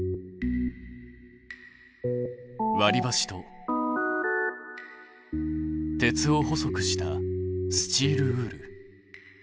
割りばしと鉄を細くしたスチールウール。